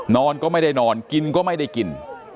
นอนก็ไม่ได้นอนกินก็ไม่ได้กิน